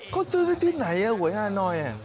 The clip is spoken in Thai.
เขาซื้อกันที่ไหนหวยฮานอย